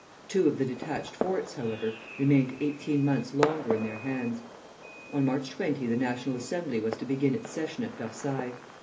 Two of the detached forts, however, remained eighteen months longer in their hands. On March 20 the National Assembly was to begin its session at Versailles.